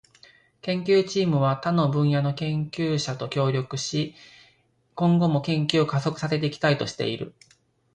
研究チームは他の分野の研究者と協力し、今後も研究を加速させていきたいとしている。